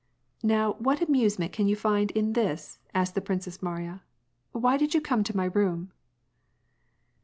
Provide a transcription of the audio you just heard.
'^ Now what amusement can you find in this ?" asked the Princess Mariya. " Why did you come to my room